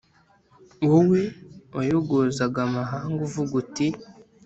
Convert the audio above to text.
wowe wayogozaga amahanga, uvuga uti